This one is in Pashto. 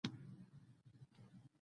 لاک هالېنډ ته د وېرې له امله تښتېد.